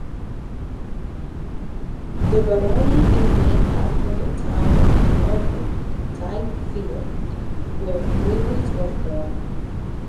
The barony is named after the town of Merthyr Tydfil, where Lewis was born.